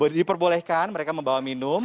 diperbolehkan mereka membawa minum